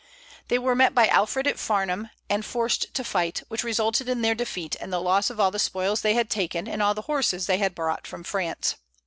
They were met by Alfred at Farnham and forced to fight, which resulted in their defeat and the loss of all the spoils they had taken and all the horses they had brought from France.